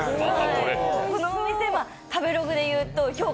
このお店、食べログで言うと評価